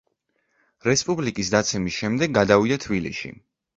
რესპუბლიკის დაცემის შემდეგ გადავიდა თბილისში.